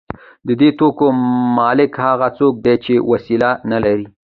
د دې توکو مالک هغه څوک دی چې وسیله نلري